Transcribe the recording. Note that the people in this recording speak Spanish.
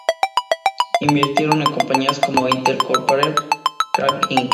Invirtieron en compañías como Intel Corporation, Cray Inc.